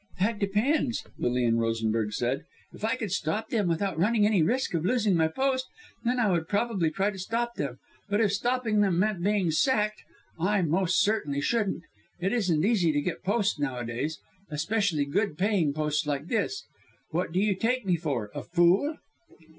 "That depends," Lilian Rosenberg said. "If I could stop them without running any risk of losing my post, then I would probably try to stop them, but if stopping them meant being 'sacked,' I most certainly shouldn't. It isn't so easy to get posts nowadays especially good paying posts like this. What do you take me for, a fool!"